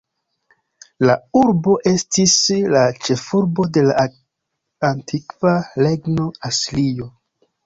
La urbo estis la ĉefurbo de la antikva regno Asirio.